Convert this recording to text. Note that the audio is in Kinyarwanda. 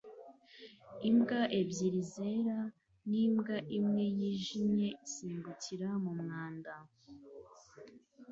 imbwa ebyiri zera n'imbwa imwe yijimye isimbukira mu mwanda